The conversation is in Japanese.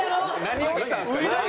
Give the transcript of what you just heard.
何押したんですか？